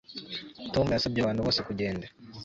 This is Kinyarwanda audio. Tom yasabye abantu bose kugenda